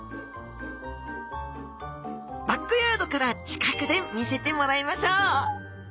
バックヤードから近くで見せてもらいましょう！